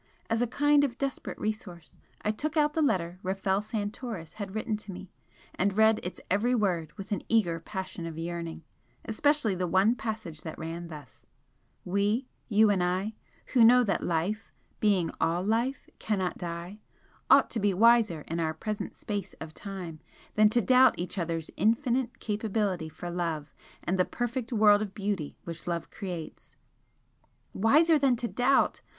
As a kind of desperate resource, I took out the letter Rafel Santoris had written to me, and read its every word with an eager passion of yearning especially the one passage that ran thus "We you and I who know that Life, being ALL Life, CANNOT die, ought to be wiser in our present space of time than to doubt each other's infinite capability for love and the perfect world of beauty which love creates." 'Wiser than to doubt'!